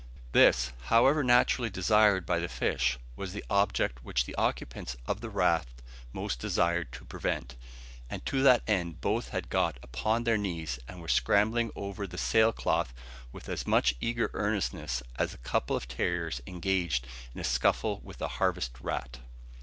This, however naturally desired by the fish, was the object which the occupants of the raft most desired to prevent; and to that end both had got upon their knees, and were scrambling over the sail cloth with as much eager earnestness as a couple of terriers engaged in a scuffle with a harvest rat.